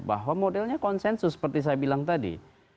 bahwa modelnya konsensus seperti saya bilang tadi